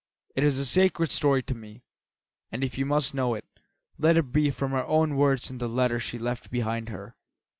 "It is a sacred story to me, and if you must know it, let it be from her own words in the letters she left behind her.